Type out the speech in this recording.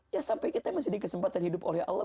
ya sampai kita masih di kesempatan hidup oleh allah